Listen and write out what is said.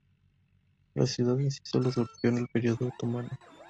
La ciudad en sí sólo surgió en el período otomano.